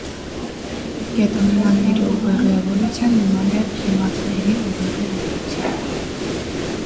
Կետանմանների ուղեղի էվոլյուցիան նման է պրիմատների ուղեղի էվոլյուցիային։